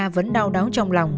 vẫn đau đáu trong lòng